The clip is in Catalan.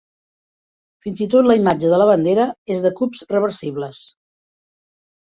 Fins i tot la imatge de la bandera és de cubs reversibles.